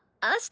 あ！